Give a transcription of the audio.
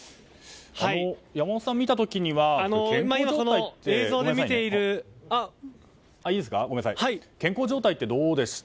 山本さんが見た時には健康状態ってどうでした？